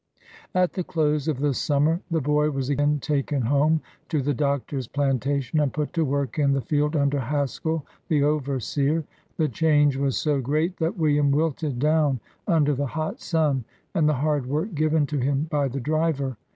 At the close of the summer, the boy was again taken home to the Doctor's plantation, and put to work in the field under Haskell, the overseer. The change was so great, that William wilted down under the hot sun, and' the hard work given to him by the driver.